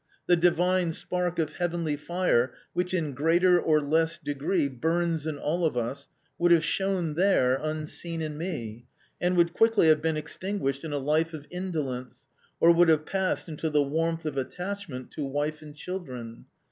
The divine spark of heavenly fire which in greater or less degree burns in all of us, would have shone there unseen in me, and would quickly have been extinguished in a life of indolence, or would have passed into the warmth of attachment to wife and children.